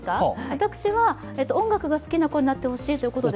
私は音楽が好きな子になってほしいということで。